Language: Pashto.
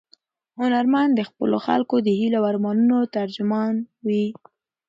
هنرمند د خپلو خلکو د هیلو او ارمانونو ترجمان وي.